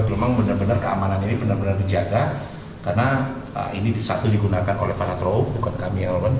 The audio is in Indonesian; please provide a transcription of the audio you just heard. memang benar benar keamanan ini benar benar dijaga karena ini satu digunakan oleh para traup bukan kami hewan